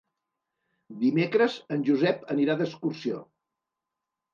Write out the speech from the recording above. Dimecres en Josep anirà d'excursió.